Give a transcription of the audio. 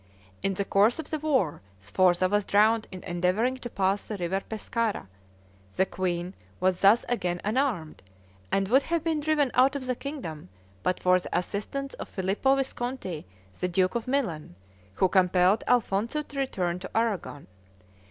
In the course of the war, Sforza was drowned in endeavoring to pass the river Pescara; the queen was thus again unarmed, and would have been driven out of the kingdom, but for the assistance of Filippo Visconti, the duke of Milan, who compelled Alfonzo to return to Aragon.